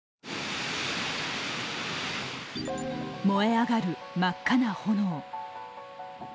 燃え上がる真っ赤な炎。